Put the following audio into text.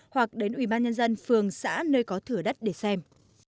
hoặc đến ubnd phường xã nơi có thừa đất để xem